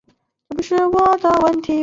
抗战时期改为中国人民抗日军政大学。